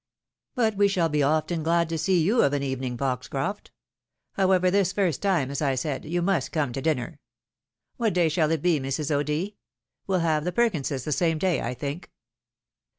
But we shall be often glad to see you of an evening, Foxcroft. However, this first time, as I said, you must come to dinner. What day shall it be, Mrs. O'D. ? We'U have the Perkinses the same day, I think."